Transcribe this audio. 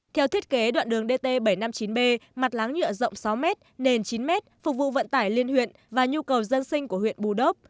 theo thiết kế đoạn đường dt bảy trăm năm mươi chín b mặt láng nhựa rộng sáu m nền chín m phục vụ vận tải liên huyện và nhu cầu dân sinh của huyện bù đốc